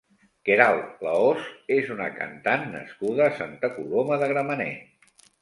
Queralt Lahoz és una cantant nascuda a Santa Coloma de Gramenet.